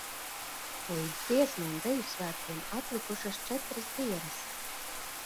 Līdz Dziesmu un Deju svētkiem atlikušas četras dienas!